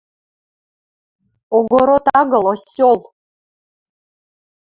– Огород агыл, осёл!..